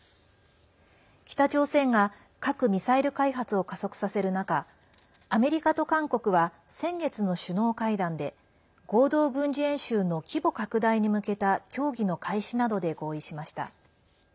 北朝鮮が核・ミサイル開発を加速させる中アメリカと韓国は先月の首脳会談で合同軍事演習の規模拡大に向けた協議の開始などで合意しました。